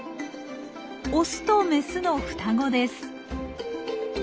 オスとメスの双子です。